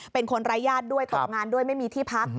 เป็นคนร้ายญาติด้วยตกงานด้วยไม่มีที่พัก